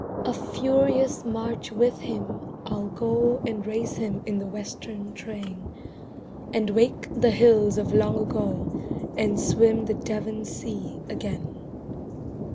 A furious march with him I'll go And race him in the Western train, And wake the hills of long ago And swim the Devon sea again.